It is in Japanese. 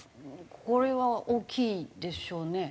これは大きいでしょうね。